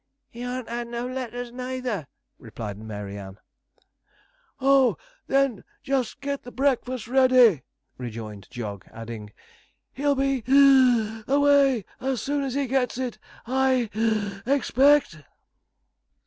'He harn't had no letters neither,' replied Mary Ann. 'Oh, then, just get the breakfast ready,' rejoined Jog, adding, 'he'll be (wheezing) away as soon as he gets it, I (puff) expect.'